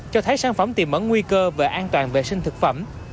cho thấy sản phẩm tìm mở nguy cơ về an toàn vệ sinh thực phẩm